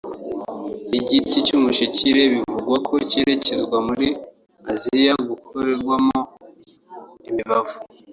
Igiti cy’umushikiri bivugwa ko cyerekezwa muri Aziya gukorwamo imibavu